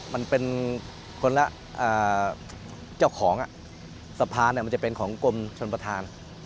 มันเป็นคนละเจ้าของสะพานมันจะเป็นของกรมชนประธาน